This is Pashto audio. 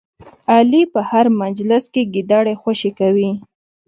علي په هر مجلس کې ګیدړې خوشې کوي.